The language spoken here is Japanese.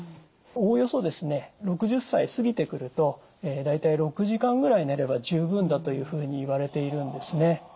おおよそですね６０歳過ぎてくると大体６時間ぐらい寝れば十分だというふうにいわれているんですね。